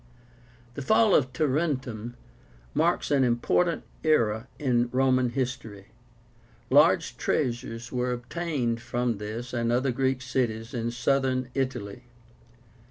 The fall of TARENTUM marks an important era in Roman history. Large treasures were obtained from this and other Greek cities in Southern Italy.